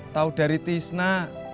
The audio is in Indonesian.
tau dari tisna